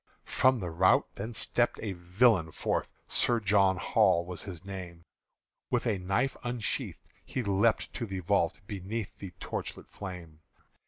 From the rout then stepped a villain forth Sir John Hall was his name: With a knife unsheathed he leapt to the vault Beneath the torchlight flame.